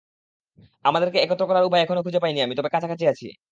আমাদেরকে একত্র করার উপায় এখনো খুঁজে পাইনি আমি, তবে কাছাকাছি আছি।